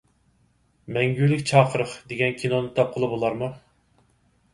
«مەڭگۈلۈك چاقىرىق» دېگەن كىنونى تاپقىلى بولارمۇ؟